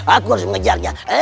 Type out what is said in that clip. aku harus mengejarnya